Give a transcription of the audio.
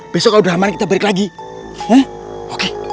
besok udah kita berik lagi oke